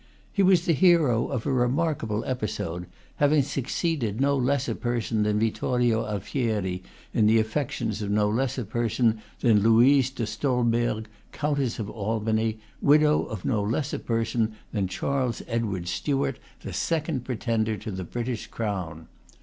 He was the hero of a remarkable episode, having succeeded no less a person than Vittorio Alfieri in the affections of no less a person than Louise de Stolberg, Countess of Albany, widow of no less a person than Charles Edward Stuart, the second pretender to the British crown.